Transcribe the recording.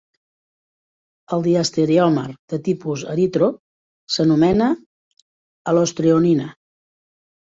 El diastereòmer de tipus eritro s'anomena alostreonina.